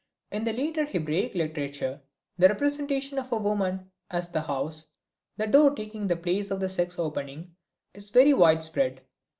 In the later Hebraic literature the representation of woman as a house, the door taking the place of the sex opening, is very widespread.